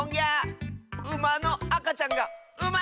ウマのあかちゃんが「うま」れた！